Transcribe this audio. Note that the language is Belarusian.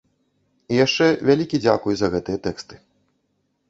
І яшчэ вялікі дзякуй за гэтыя тэксты.